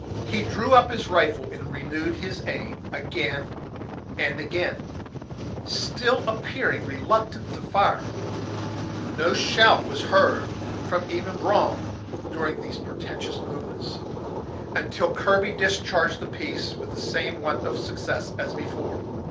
He drew up his rifle, and renewed his aim again and again, still appearing reluctant to fire, No sound was heard from even Brom, during these portentous movements, until Kirby discharged his piece, with the same want of success as before.